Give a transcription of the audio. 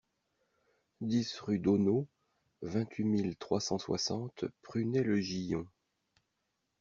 dix rue d'Auneau, vingt-huit mille trois cent soixante Prunay-le-Gillon